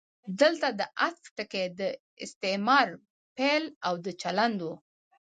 دلته د عطف ټکی د استعمار پیل او د چلند و.